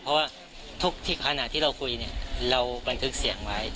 เพราะว่าทุกขณะที่เราคุยเนี่ยเราบันทึกเสียงไว้